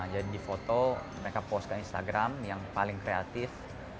jadi di foto mereka post ke instagram yang paling kreatif